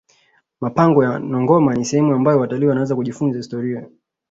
mapango ya nongoma ni sehemu ambayo watalii wanaweza kujifunza historia